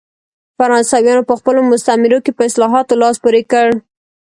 فرانسویانو په خپلو مستعمرو کې په اصلاحاتو لاس پورې کړ.